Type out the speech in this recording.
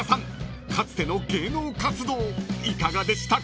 ［かつての芸能活動いかがでしたか？］